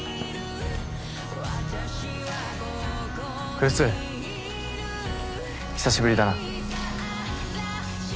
来栖久しぶりだな。